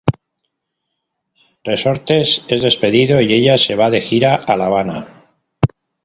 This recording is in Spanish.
Resortes es despedido y ella se va de gira a La Habana.